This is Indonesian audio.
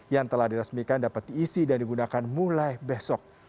yang telah diresmikan dapat diisi dan digunakan mulai besok